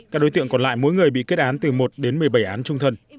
các đối tượng còn lại mỗi người bị kết án từ một đến một mươi bảy án trung thân